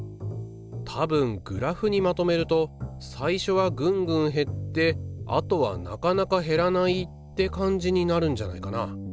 たぶんグラフにまとめると最初はぐんぐん減ってあとはなかなか減らないって感じになるんじゃないかな。